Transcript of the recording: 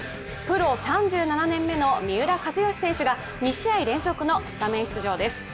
プロ３７年目の三浦知良選手が２試合連続のスタメン出場です。